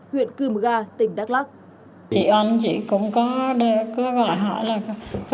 huyện cư mga tỉnh đắk lắc